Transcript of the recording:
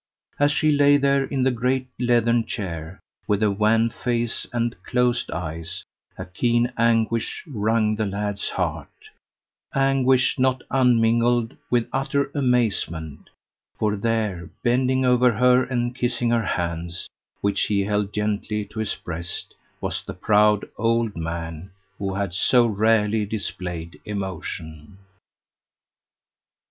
As she lay there in the great leathern chair, with a wan face and closed eyes, a keen anguish wrung the lad's heart anguish not unmingled with utter amazement, for there, bending over her and kissing her hands, which he held gently to his breast, was the proud old man, who had so rarely displayed emotion.